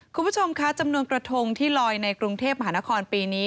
คุณผู้ชมคะจำนวนกระทงที่ลอยในกรุงเทพมหานครปีนี้